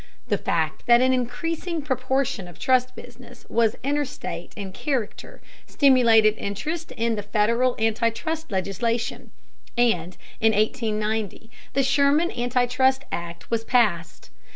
The fact that an increasing proportion of trust business was interstate in character stimulated interest in Federal anti trust legislation, and in 1890 the Sherman Anti trust Act was passed.